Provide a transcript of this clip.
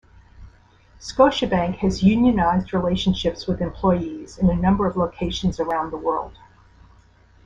Scotiabank has unionized relationships with employees in a number of locations around the world.